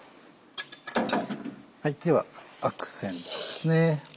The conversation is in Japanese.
ではアクセントです。